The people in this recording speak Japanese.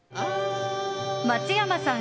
松山さん